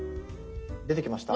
出てきました？